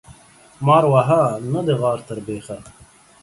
مار وهه ، نه د غار تر بيخه.